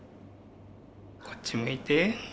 こっち向いて。